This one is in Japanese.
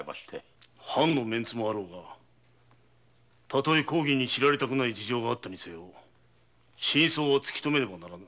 藩のメンツもあろうが例え公儀に知られたくない事情があっても真相は知らねばならぬ。